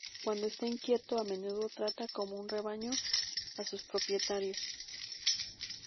Cuando esta inquieto, a menudo trata como un "rebaño" a sus propietarios.